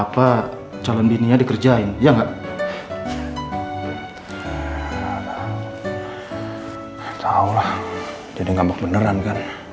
daripada squat dan bebek